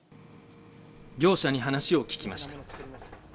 業者に話を聞きました。